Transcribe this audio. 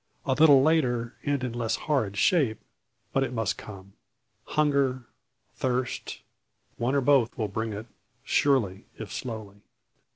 A little later, and in less horrid shape, but it must come. Hunger, thirst, one or both will bring it, surely if slowly.